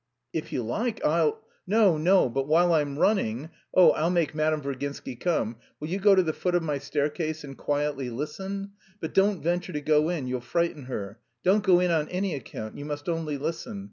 "If you like I'll..." "No, no, but while I'm running (oh, I'll make Madame Virginsky come), will you go to the foot of my staircase and quietly listen? But don't venture to go in, you'll frighten her; don't go in on any account, you must only listen...